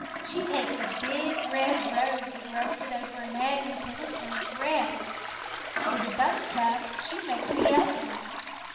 She takes a big red rose and rubs it over an egg until it turns red. With a buttercup she makes a yellow one.